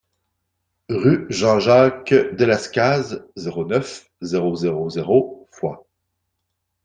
Rue Jean Jacques Delescazes, zéro neuf, zéro zéro zéro Foix